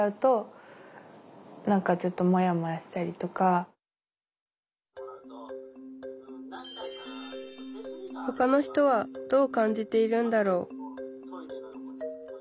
例えばほかの人はどう感じているんだろう？